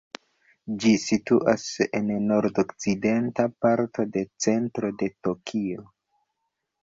Ĝi situas en nord-okcidenta parto de centro de Tokio.